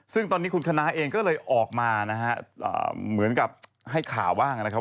ซึ่งตอนนี้คุณคณะเองก็เลยออกมานะฮะเหมือนกับให้ข่าวบ้างนะครับ